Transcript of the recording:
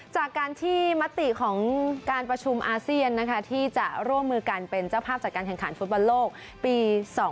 จากการที่มติของการประชุมอาเซียนที่จะร่วมมือกันเป็นเจ้าภาพจัดการแข่งขันฟุตบอลโลกปี๒๕๖